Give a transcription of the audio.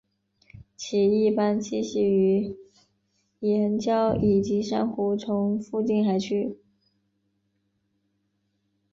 其一般栖息于岩礁以及珊瑚丛附近海区。